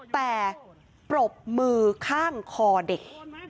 แต่ปรบมือข้างคอเด็ก